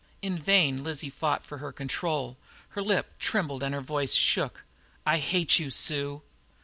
In vain Lizzie fought for her control; her lip trembled and her voice shook. "I hate you, Sue!"